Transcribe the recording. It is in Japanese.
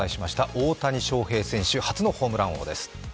大谷翔平選手、初のホームラン王です。